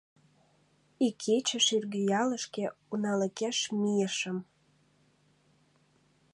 — Икече Шӱргыялышке уналыкеш мийышым.